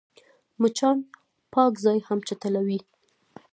مچان پاک ځای هم چټلوي